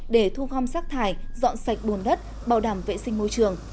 để thu gom rác thải dọn sạch bùn đất bảo đảm vệ sinh môi trường